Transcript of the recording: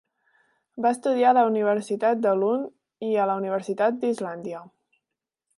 Va estudiar a la Universitat de Lund i a la Universitat d'Islàndia.